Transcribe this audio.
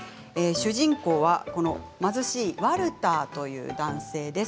主人公はこの貧しいワルターという男性です。